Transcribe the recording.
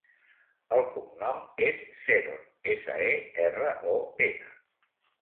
El cognom és Seron: essa, e, erra, o, ena.